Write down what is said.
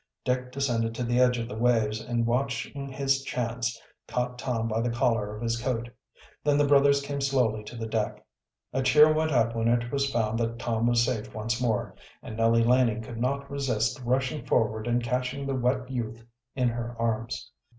Dick descended to the edge of the waves, and, watching his chance, caught Tom by the collar of his coat. Then the brothers came slowly to the deck. A cheer went up when it was found that Tom was safe once more, and Nellie Laning could not resist rushing forward and catching the wet youth in her arms.